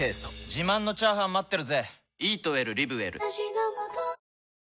自慢のチャーハン待ってるぜ！